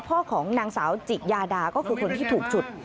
ของนางสาวจิยาดาก็คือคนที่ถูกฉุด